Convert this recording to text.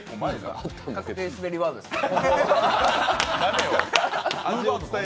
確定スベりワードですか。